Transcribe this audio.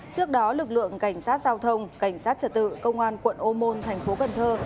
trước đó lực lượng cảnh sát giao thông cảnh sát trật tự công an quận ô môn thành phố cần thơ